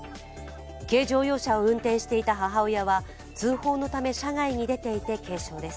軽乗用車を運転していた母親は通報のため車外に出ていて軽傷です。